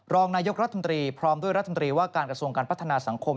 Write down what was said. รองนายกรัฐมนตรีพร้อมด้วยรัฐมนตรีว่าการกระทรวงการพัฒนาสังคม